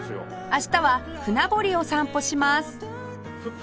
明日は船堀を散歩します